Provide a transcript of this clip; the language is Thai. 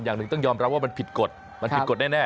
อย่างหนึ่งต้องยอมรับว่ามันผิดกฎมันผิดกฎแน่